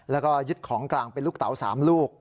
แล้วก็ยึดของกลางเป็นลูกเต๋า๓ลูก